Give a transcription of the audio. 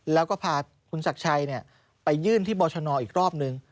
แล้วก็พาคุณศักดิ์ชัยไปยื่นที่บรชนอีกรอบนึง